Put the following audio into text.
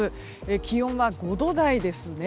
気温が５度台ですね。